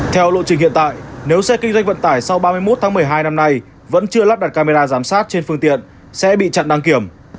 theo lộ trình hiện tại nếu xe kinh doanh vận tải sau ba mươi một tháng một mươi hai năm nay vẫn chưa lắp đặt camera giám sát trên phương tiện sẽ bị chặn đăng kiểm